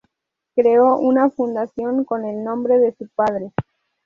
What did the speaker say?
Creó una fundación con el nombre de su padre.